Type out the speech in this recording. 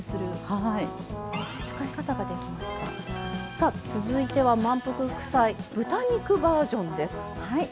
さあ続いては「まんぷく副菜」豚肉バージョンです。